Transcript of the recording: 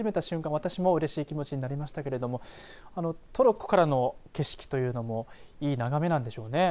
私もうれしい気持ちになりましたけれどもここからの景色というのもいい眺めなんでしょうね。